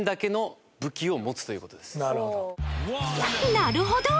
なるほど！